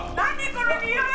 このにおい！